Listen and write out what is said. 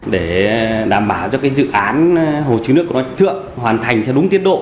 để đảm bảo cho dự án hồ chứa nước của nó thượng hoàn thành theo đúng tiến độ